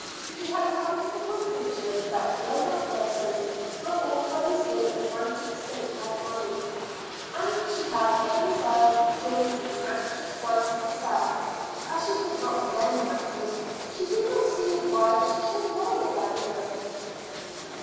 She had come to the conclusion that grown up persons were always in a frantic state about money, and she had no desire to join these anxious ones herself. As she could not mend matters, she did not see why she should worry about them.